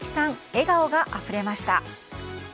笑顔があふれました。